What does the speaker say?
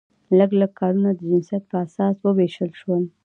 لږ لږ کارونه د جنسیت په اساس وویشل شول.